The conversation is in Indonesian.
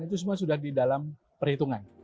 itu semua sudah di dalam perhitungan